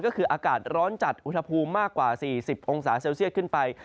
ก็คืออากาศร้อนจัดอุณหภูมิมากกว่า๔๐องศาเซลเซียตขึ้นไป